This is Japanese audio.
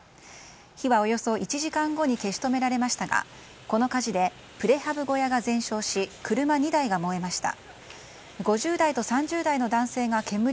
火はおよそ１時間後に消し止められましたがこの火事でプレハブ小屋が全焼し車２台が燃えました。